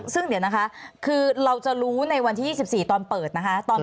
ซึ่งเดี๋ยวนะคะคือเราจะรู้ในวันที่๒๔ตอนเปิดนะคะ